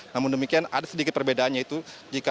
namun demikian ada sedikit perbedaannya yaitu